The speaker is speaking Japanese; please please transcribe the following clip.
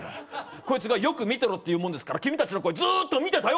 こいつがよく見てろって言うもんですから君達の恋ずーっと見てたよ